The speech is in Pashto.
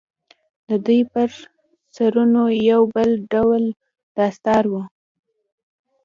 د دوى پر سرونو يو بل ډول دستار و.